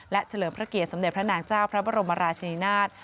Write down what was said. และเฉลิมพระเกียรติสมเด็จพระนางเจ้าพระบรมราชนีนาฏ